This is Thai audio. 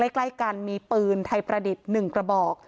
ใกล้กันมีปืนไทยประดิษฐ์๑กระบอก